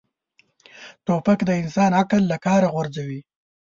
توپک د انسان عقل له کاره غورځوي.